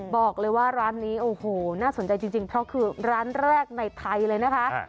บอกเลยว่าร้านนี้โอ้โหน่าสนใจจริงเพราะคือร้านแรกในไทยเลยนะคะ